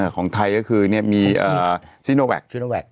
ของไทยก็คือมีซิโนแวก